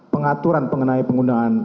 pengaturan mengenai pengundangan